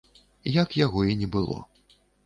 Як яго і не было.